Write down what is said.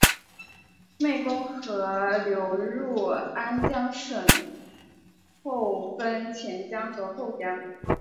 湄公河流入安江省后分前江与后江。